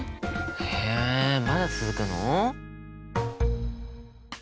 えまだ続くの？